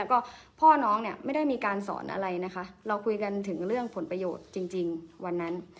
ก็พ่อน้องเนี่ยไม่ได้มีการสอนอะไรนะคะเราคุยกันถึงเรื่องผลประโยชน์จริงวันนั้น